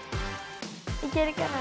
いけるかな？